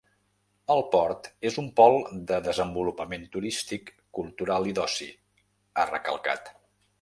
El port és un pol de desenvolupament turístic, cultural i d’oci, ha recalcat.